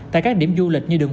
tại các điểm du lịch như đường